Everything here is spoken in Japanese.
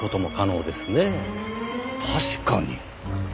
確かに。